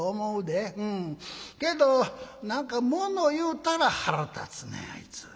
けど何かもの言うたら腹立つねんあいつ。